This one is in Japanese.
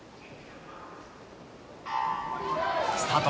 スタート。